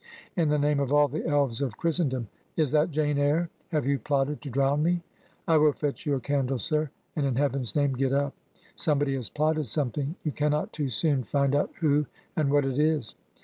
... 'In the name of all the elves of Christen dom, is that Jane Eyre? ... Have you plotted to drown me?' 'I will fetch you a candle, sir; and in Heaven's name get up. Somebody has plotted some thing : you cannot too soon find out who and what it is.'